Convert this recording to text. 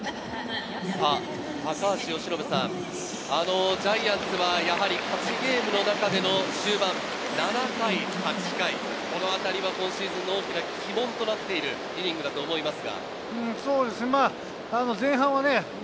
高橋由伸さん、ジャイアンツはやはり勝ちゲームの中での終盤、７回、８回、このあたりは今シーズンの大きな鬼門となっているイニングだと思います。